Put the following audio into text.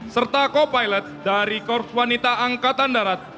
serta co pilot dari korps wanita angkatan darat